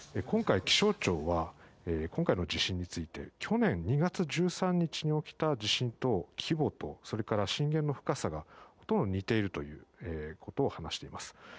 気象庁は今回の地震について去年２月１３日に起きた地震の規模とそれから震源の深さがほとんど似ているということを話しています。